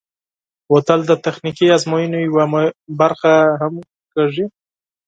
بوتل د تخنیکي ازموینو یوه برخه هم کېږي.